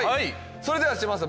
それでは嶋佐さん